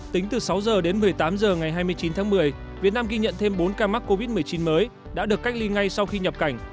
tính từ sáu h đến một mươi tám h ngày hai mươi chín tháng một mươi việt nam ghi nhận thêm bốn ca mắc covid một mươi chín mới đã được cách ly ngay sau khi nhập cảnh